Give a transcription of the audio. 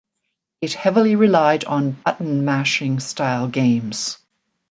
It heavily relied on button mashing style games.